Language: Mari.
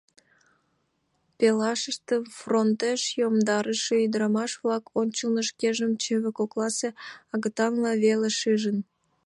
Пелашыштым фронтеш йомдарыше ӱдырамаш-влак ончылно шкенжым чыве кокласе агытанла веле шижын.